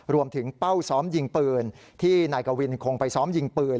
เป้าซ้อมยิงปืนที่นายกวินคงไปซ้อมยิงปืน